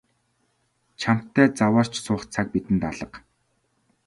Чамтай заваарч суух цаг бидэнд алга.